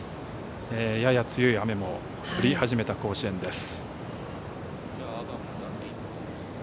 やや強い雨が降り始めた甲子園です。